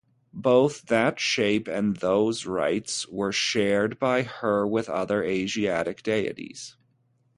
Both that shape and those rites were shared by her with other Asiatic deities.